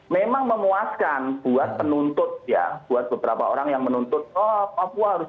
memang memuaskan buat penuntut ya buat beberapa orang yang menuntut oh papua harus jadiin kkp untuk mencari solusi